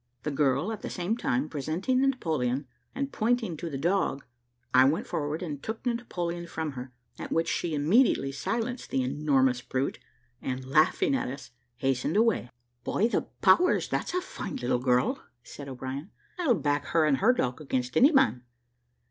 The girl at the same time presenting the Napoleon, and pointing to the dog, I went forward and took the Napoleon from her, at which she immediately silenced the enormous brute, and laughing at us, hastened away. "By the powers, that's a fine little girl!" said O'Brien; "I'll back her and her dog against any man.